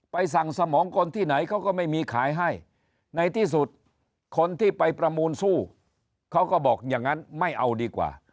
สั่งสมองคนที่ไหนเขาก็ไม่มีขายให้ในที่สุดคนที่ไปประมูลสู้เขาก็บอกอย่างนั้นไม่เอาดีกว่า